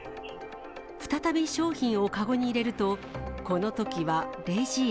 再び商品を籠に入れると、このときはレジへ。